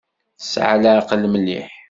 Tesɛa leɛqel mliḥ.